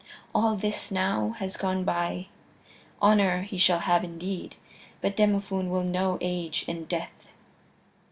All this, now, has gone by. Honor he shall have indeed, but Demophoon will know age and death."